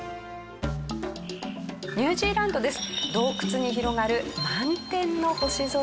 ニュージーランドです。